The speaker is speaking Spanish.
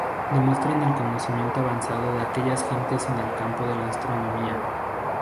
Demuestran el conocimiento avanzado de aquellas gentes en el campo de la astronomía.